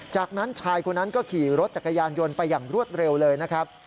จากนั้นชายคนนั้นก็ขี่รถจักรยานยนต์ไปอย่างรวดเร็วเลยนะครับ